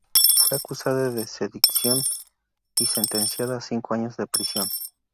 Fue acusada de sedición y sentenciada a cinco años de prisión.